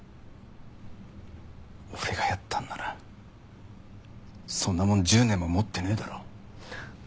俺がやったんならそんなもん１０年も持ってねえだろ。